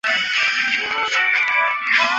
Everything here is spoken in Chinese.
从此步入演艺界。